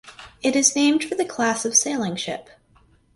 It is named for the class of sailing ship.